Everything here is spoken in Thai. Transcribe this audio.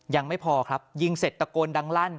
ยังไม่พอครับยิงเสร็จตะโกนดังลั่น